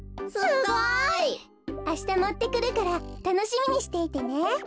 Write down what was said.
すごい！あしたもってくるからたのしみにしていてね。